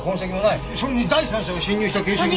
それに第三者が侵入した形跡も。